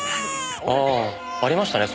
ああありましたね